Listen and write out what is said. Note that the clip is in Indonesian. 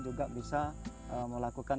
juga bisa melakukan